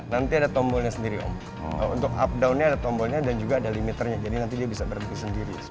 nanti ada tombolnya sendiri om untuk updaunnya ada tombolnya dan juga ada limiternya jadi nanti dia bisa berhenti sendiri